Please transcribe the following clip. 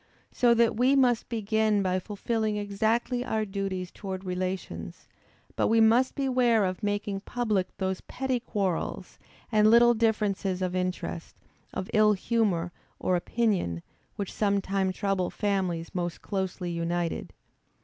So that we must begin by fulfilling exactly our duties towards relations; but we must beware of making public those petty quarrels, and little differences of interest, of ill humor or opinion, which sometimes trouble families most closely united.